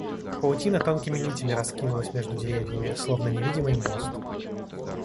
Паутина тонкими нитями раскинулась между деревьями, словно невидимый мост.